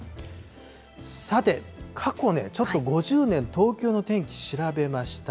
さて、過去ね、ちょっと５０年、東京の天気、調べました。